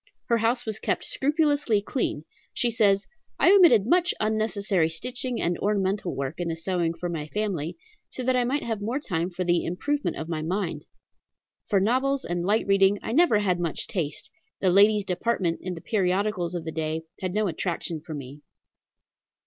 Her house was kept scrupulously clean. She says: "I omitted much unnecessary stitching and ornamental work in the sewing for my family, so that I might have more time for the improvement of my mind. For novels and light reading I never had much taste; the ladies' department in the periodicals of the day had no attraction for me.